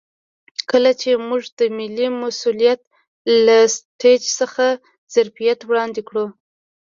کله چې موږ د ملي مسوولیت له سټیج څخه ظرفیت وړاندې کړو.